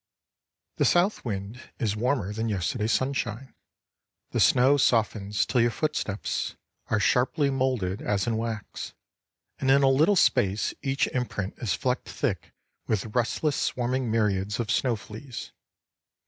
The south wind is warmer than yesterday's sunshine, the snow softens till your footsteps are sharply moulded as in wax, and in a little space each imprint is flecked thick with restless, swarming myriads of snow fleas.